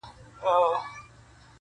• ستا په غېږ کي دوه ګلابه خزانېږي,